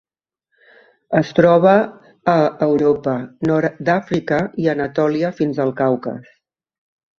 Es troba a Europa, nord d'Àfrica i Anatòlia fins al Caucas.